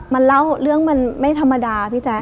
มันเล่าเรื่องมันไม่ธรรมดา